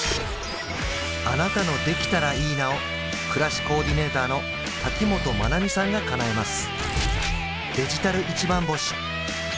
あなたの「できたらいいな」を暮らしコーディネーターの瀧本真奈美さんがかなえます